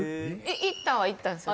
行ったは行ったんですよね？